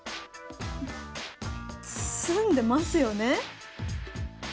詰んでますよね？